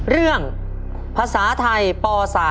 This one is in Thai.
เรื่องภาษาไทยป๓